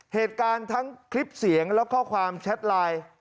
เหตุการณ์ทั้งคลิปเสียงและข้อความแชทไลน์